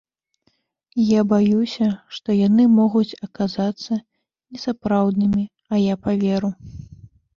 Я баюся, што яны могуць аказацца несапраўднымі, а я паверу.